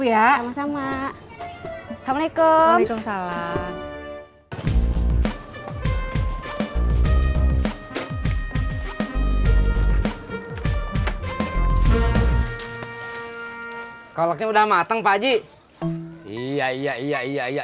ya sama sama assalamualaikum waalaikumsalam kalau udah matang pak ji iya iya iya iya